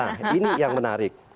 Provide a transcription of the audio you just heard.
nah ini yang menarik